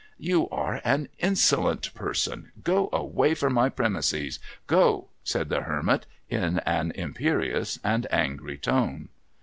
'' You are an insolent person. Go away from my premises. Go !' said the Hermit, in an imperious and angry tone.